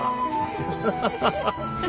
ハハハハハ。